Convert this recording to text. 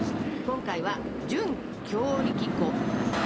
今回は準強力粉を使います。